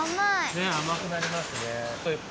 ねっあまくなりますね。